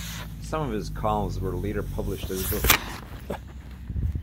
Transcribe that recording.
Some of his columns were later published as books.